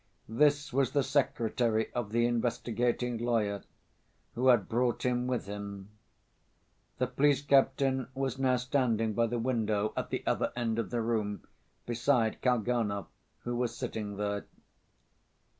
This was the secretary of the investigating lawyer, who had brought him with him. The police captain was now standing by the window at the other end of the room, beside Kalganov, who was sitting there.